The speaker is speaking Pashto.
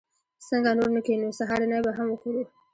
څنګه نور نه کېنو؟ سهارنۍ به هم وخورو.